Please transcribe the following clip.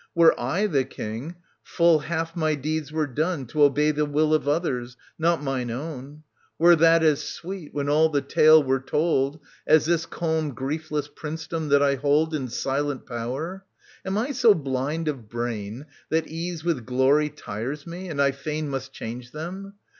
Were I the King, full half my deeds were done To obey the will of others, not mine own. Were that as sweet, when all the tale were told, As this calm griefless princedom that I hold And silent power f Am I so blind of brain That ease with glory tires me, and I fain Must change them